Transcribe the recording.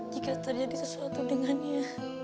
jika terjadi sesuatu dengan dia